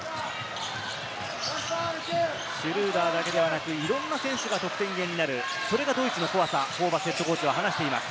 シュルーダーだけではなく、いろんな選手が得点源になる、それがドイツの怖さとホーバスＨＣは話しています。